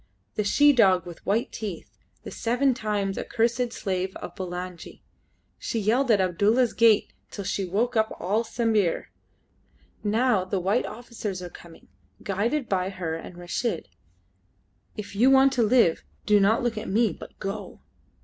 "The she dog with white teeth; the seven times accursed slave of Bulangi. She yelled at Abdulla's gate till she woke up all Sambir. Now the white officers are coming, guided by her and Reshid. If you want to live, do not look at me, but go!"